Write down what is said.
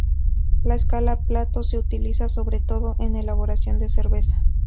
La escala Plato se utiliza, sobre todo, en elaboración de cerveza.